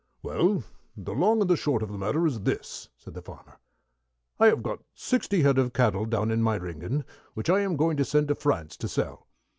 "Well, the long and the short of the matter is this," said the farmer. "I've got sixty head of cattle down in Meyringen, which I am going to send to France to sell.